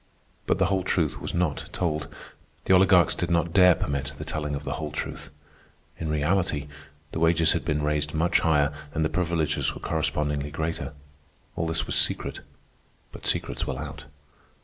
But the whole truth was not told. The oligarchs did not dare permit the telling of the whole truth. In reality, the wages had been raised much higher, and the privileges were correspondingly greater. All this was secret, but secrets will out.